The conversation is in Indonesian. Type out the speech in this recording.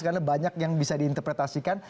karena banyak yang bisa diinterpretasikan